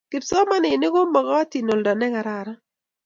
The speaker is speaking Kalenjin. kipsomaninik komokotin oldo nekararan